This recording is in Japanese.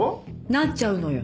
なっちゃうのよ。